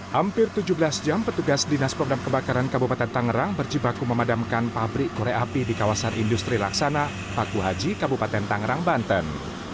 hampir tujuh belas jam petugas dinas program kebakaran kabupaten tangerang berjibaku memadamkan pabrik korek api di kawasan industri laksana paku haji kabupaten tangerang banten